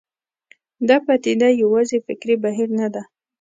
دا پدیده یوازې فکري بهیر نه ده.